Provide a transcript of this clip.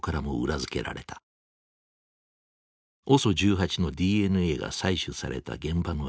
ＯＳＯ１８のＤＮＡが採取された現場の映像。